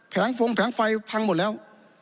แงฟงแผงไฟพังหมดแล้ว